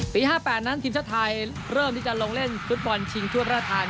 ๕๘นั้นทีมชาติไทยเริ่มที่จะลงเล่นฟุตบอลชิงชั่วพระทาน